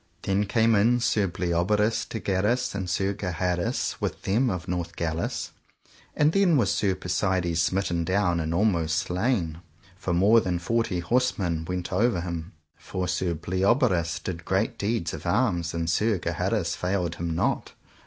Then came in Sir Bleoberis de Ganis and Sir Gaheris with them of Northgalis, and then was Sir Persides smitten down and almost slain, for more than forty horse men went over him. For Sir Bleoberis did great deeds of arms, and Sir Gaheris failed him not.